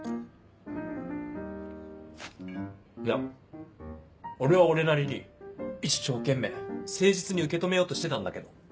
いや俺は俺なりに一生懸命誠実に受け止めようとしてたんだけど。